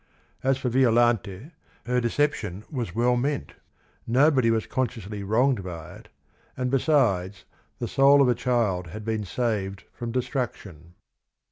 As for Violante, her deception was well meant; nobody was consciously wronged by it, and, be sides, the soul of a child had been saved from destruction.